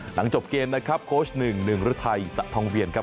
หลังจบเกมนะครับโค้ชหนึ่งหนึ่งฤทัยสะทองเวียนครับ